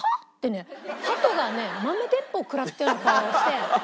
ハトがね豆鉄砲食らったような顔をして。